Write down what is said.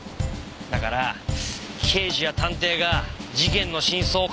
だから刑事や探偵が事件の真相を語るんですよ。